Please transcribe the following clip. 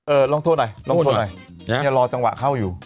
เอ่อลองโทษหน่อยลองโทษหน่อยรอจังหวะเข้าอยู่